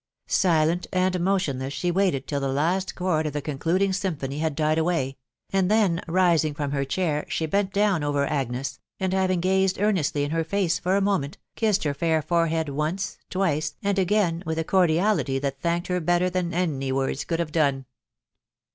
Silent and motionless she waited till the last chord of the concluding symphony had died awiy; and then rising from her chair she bent down over Agnes, and having gazed earnestly in her face for a moment, kissed bff fair forehead once, twice, and again with a cordiality Alt thanked her better than any words could have done.